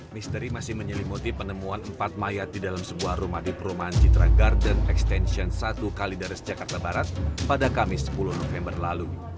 misteri masih menyelimuti penemuan empat mayat di dalam sebuah rumah di perumahan citra garden extension satu kalidaris jakarta barat pada kamis sepuluh november lalu